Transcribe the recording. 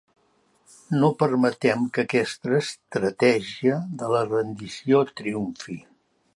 No permetrem que aquesta estratègia de la rendició triomfi.